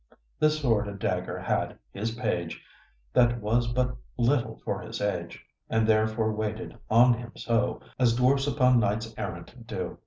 This sword a dagger had, his page, That was but little for his age: And therefore waited on him so, As dwarfs upon knights errant do.